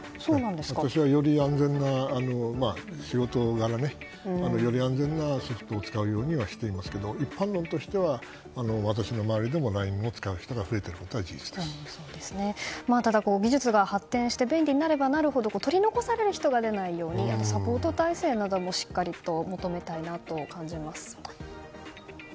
私は仕事柄より安全なソフトを使うようにしていますけど一般論としては私の周りでもＬＩＮＥを使う人がただ技術が発展して便利になればなるほど取り残される人が出ないようにサポート態勢などもしっかり求めたいなと感じます。